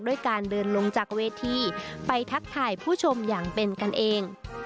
การเดินลงจากเวทีไปทักทายผู้ชมอย่างเป็นกันเอง